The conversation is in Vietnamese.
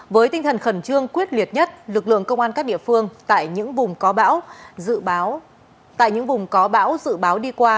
với tinh thần khẩn trương quyết liệt nhất lực lượng công an các địa phương tại những vùng có bão dự báo đi qua